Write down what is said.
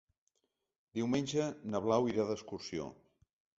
Diumenge na Blau irà d'excursió.